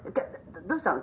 どうしたの？